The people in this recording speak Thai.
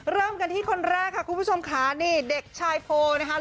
เริ่มกันที่คนแรกค่ะคุณผู้ชมค่ะนี่เด็กชายโพลนะคะ